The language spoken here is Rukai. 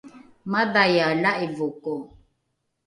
madhaiae la’ivoko